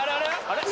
あれ？